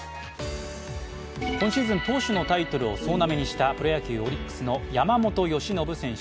今シーズン投手のタイトルを総なめにしたプロ野球・オリックスの山本由伸選手。